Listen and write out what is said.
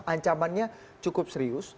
ancamannya cukup serius